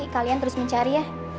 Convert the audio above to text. kalian terus mencari ya